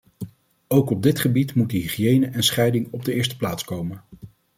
Ook op dit gebied moeten hygiëne en scheiding op de eerste plaats komen.